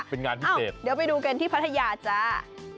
เป็นงานพิเศษเดี๋ยวไปดูกันที่พัทยาจ้า